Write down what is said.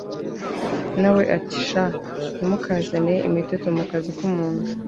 nawe ati sha ntimukazane imiteto mukazi kumuntu